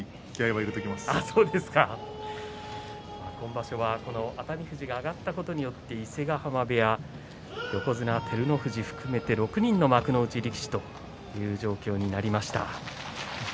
今場所は熱海富士が上がったことによって伊勢ヶ濱部屋横綱照ノ富士を含めて６人の幕内力士という状況になりました。